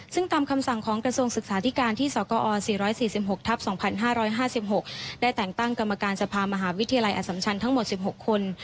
ซึ่งตามคำสั่งของกระทรวงศึกษาธิการที่สกอ๔๔๖ทับ๒๕๕๖ได้แต่งตั้งกรรมการสภามหาวิทยาลัยอสัมชันทั้งหมด๑๖คน